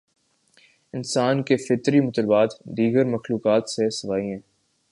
انسان کے فطری مطالبات، دیگر مخلوقات سے سوا ہیں۔